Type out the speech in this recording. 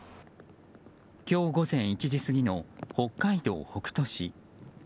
今日午前１時過ぎの北海道北斗市。